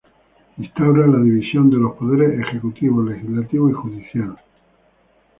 Instaura la división de los poderes ejecutivo, legislativo y judicial.